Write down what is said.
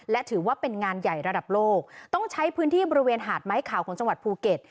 และถือว่าเป็นงานใหญ่ระดับโลกต้องใช้พื้นที่บริเวณหาดไม้ขาวของจังหวัดภูเก็ต